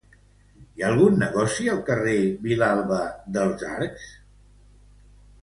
Hi ha algun negoci al carrer Vilalba dels Arcs cantonada Vilalba dels Arcs?